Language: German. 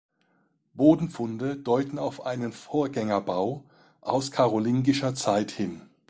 Bodenfunde deuten auf einen Vorgängerbau aus karolingischer Zeit hin.